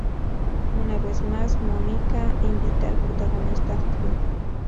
Una vez más, Monika invita al protagonista al club.